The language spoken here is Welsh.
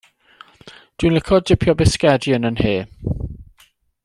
Dw i'n licio dipio bisgedi yn 'y nhe.